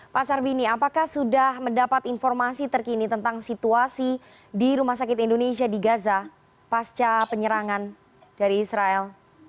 pak sarbini apakah sudah mendapat informasi terkini tentang situasi di rumah sakit indonesia di gaza pasca penyerangan dari israel